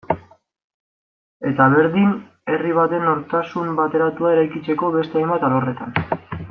Eta berdin herri baten nortasun bateratua eraikitzeko beste hainbat alorretan.